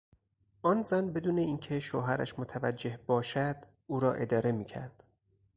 آن زن بدون این که شوهرش متوجه باشد او را اداره میکرد.